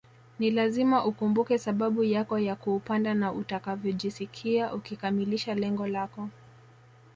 Ni lazima ukumbuke sababu yako ya kuupanda na utakavyojisikia ukikamilisha lengo lako